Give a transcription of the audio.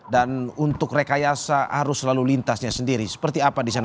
dan untuk rekayasa arus lalu lintasnya sendiri seperti apa di sana